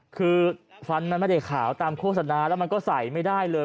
คือฟันมันไม่ได้ขาวตามโฆษณาแล้วมันก็ใส่ไม่ได้เลย